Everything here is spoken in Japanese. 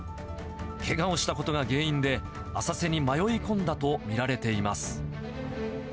けがをしたことが原因で、浅瀬に迷い込んだと見られています。